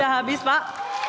sudah habis pak